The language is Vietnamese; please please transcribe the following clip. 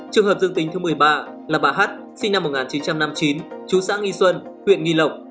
trường hợp dương tính thứ một mươi ba là bà h sinh năm một nghìn chín trăm năm mươi chín chú xã nghị xuân huyện nghị lộc